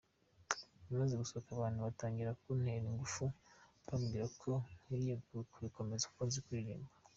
Imaze gusohoka abantu batangira kuntera ingufu bambwira ko nkwiriye kubikomeza kuko nzi kuririmba.